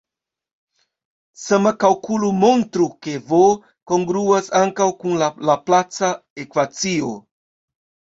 Sama kalkulo montru, ke "v" kongruas ankaŭ kun la laplaca ekvacio.